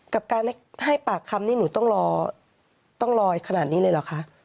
กับการให้ปากคำนี่หนูต้องรอต้องรอขนาดนี้เลยเหรอคะ